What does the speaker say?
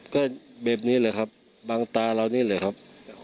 ก็แบบนี้แหละครับบางตาเรานี่แหละครับ